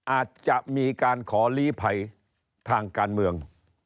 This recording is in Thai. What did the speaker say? อาจจะมีการขอลีภัยทางการเมือง